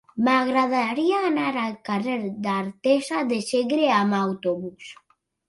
M'agradaria anar al carrer d'Artesa de Segre amb autobús.